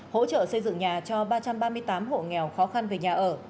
hỗ trợ xây dựng nhà cho ba trăm ba mươi tám hộ nghèo khó khăn về nhà ở